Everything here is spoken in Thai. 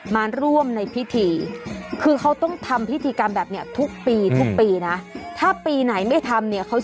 มาร่วมในพิธีก็คือเขาต้องทำพิธีกรรมแบบนี้ทุกปีถ้าปีไหนไม่ทำในข้อเชื่อว่าค่ะ